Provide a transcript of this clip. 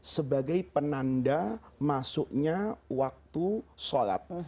sebagai penanda masuknya waktu sholat